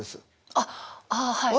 あっああはい。